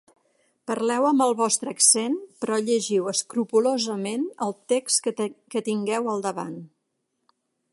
Parleu amb el vostre accent però llegiu escrupolosament el text que tingueu al davant.